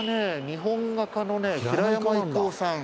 日本画家のね平山郁夫さん。